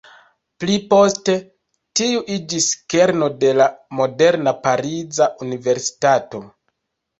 Pli poste tiu iĝis kerno de la moderna pariza universitato.